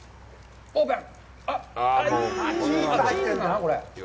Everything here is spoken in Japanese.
オープン！